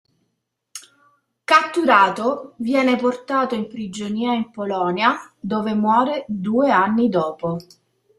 Catturato, viene portato in prigionia in Polonia dove muore due anni dopo.